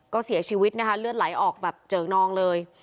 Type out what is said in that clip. ก็เสียชีวิตนะคะเลือดไหลออกแบบเจิกนองเลย